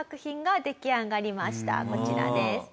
こちらです。